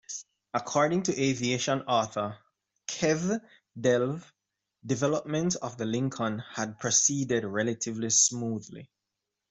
According to aviation author Kev Delve, development of the Lincoln had proceeded relatively smoothly.